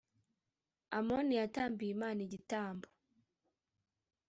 amoni yatambiye imana igitambo